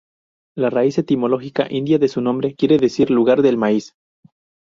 La raíz etimológica india de su nombre quiere decir "lugar del maíz".